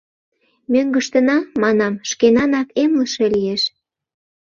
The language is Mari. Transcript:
Мӧҥгыштына, — манам, — шкенанак эмлыше лиеш.